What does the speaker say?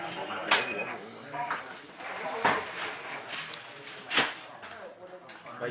สวัสดีครับ